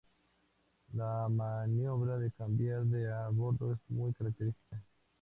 La maniobra de cambiar de a bordo es muy característica.